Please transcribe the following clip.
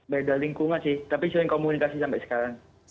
berada di lingkungan sih tapi sering komunikasi sampai sekarang